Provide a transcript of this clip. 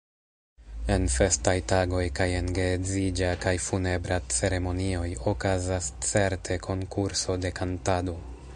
En festaj tagoj kaj en geedziĝa kaj funebra ceremonioj okazas certe konkurso de kantado.